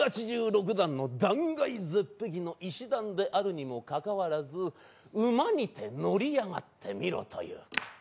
１８６段の断崖絶壁の石段であるにもかかわらず馬にて乗り上がってみろと言う。